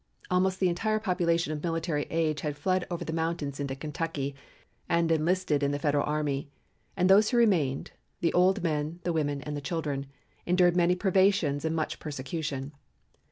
Almost the entire population of military age had fled over the mountains into Kentucky and enlisted in the Federal army. And those who remained the old men, the women and the children endured many privations and much persecution.